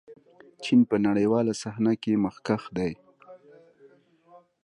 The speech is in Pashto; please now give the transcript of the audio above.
چین په نړیواله صحنه کې مخکښ دی.